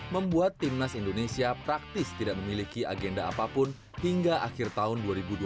membuat timnas indonesia praktis tidak memiliki agenda apapun hingga akhir tahun dua ribu dua puluh